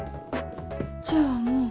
じゃあもう。